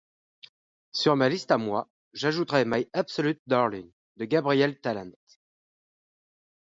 Sur ma liste à moi, j'ajouterai My Absolute Darling, de Gabriel Tallent.